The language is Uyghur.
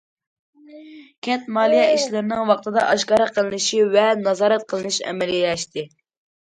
كەنت مالىيە ئىشلىرىنىڭ ۋاقتىدا ئاشكارا قىلىنىشى ۋە نازارەت قىلىنىش ئەمەلىيلەشتى.